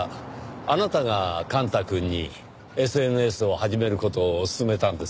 あなたが幹太くんにＳＮＳを始める事を勧めたんですね？